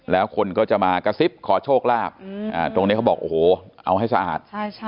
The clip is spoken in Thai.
แล้วคนก็จะมากระซิบขอโชคลาภตรงนี้เขาบอกโอ้โหเอาให้สะอาด